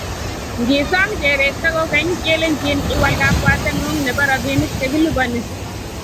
Ngisom kerekto kogey, kelenjin iwal kabwatengung nebo robinik chekilupani